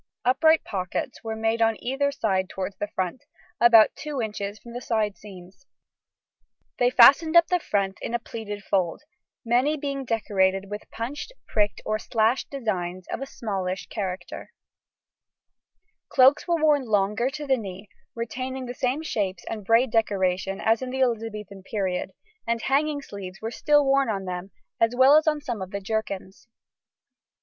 Upright pockets were made on either side towards the front, about two inches from the side seams. They fastened up the front in a pleated fold, many being decorated with punched, pricked, or slashed design of a smallish character. [Illustration: FIG. 61. Shapes of Shoes from 1590 1650.] Cloaks were worn longer to the knee, retaining the same shapes and braid decoration as in the Elizabethan period, and hanging sleeves were still worn on them, as well as on some of the jerkins.